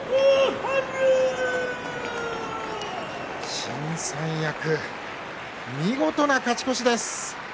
新三役、見事な勝ち越しです。